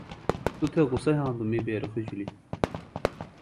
توۡ تھےۡ غصہ یھاندُوۡ می بے رُخیۡ جُھلیۡ۔